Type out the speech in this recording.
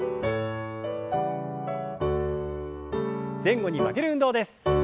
前後に曲げる運動です。